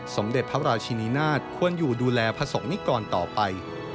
สมเด็จพระราชินินาธควรอยู่ดูแลผสงนี้ก่อนต่อไป